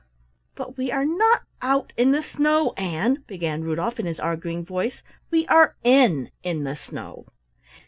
"But we are not out in the snow, Ann," began Rudolf in his arguing voice. "We are in in the snow."